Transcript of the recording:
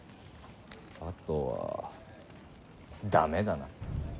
あとは駄目だな。